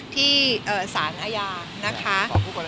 ที่สารอาญานะคะ